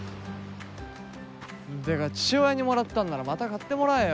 てか父親にもらったんならまた買ってもらえよ。